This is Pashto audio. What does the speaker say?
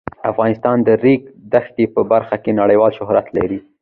افغانستان د د ریګ دښتې په برخه کې نړیوال شهرت لري.